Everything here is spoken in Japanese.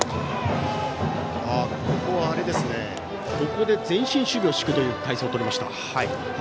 ここで前進守備を敷くという態勢をとりました。